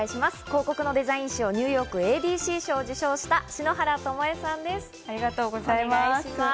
広告のデザイン賞、ニューヨークＡＤＣ賞を受賞した、篠原ともえさんでありがとうございます。